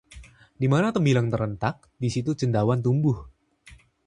Di mana tembilang terentak, di situ cendawan tumbuh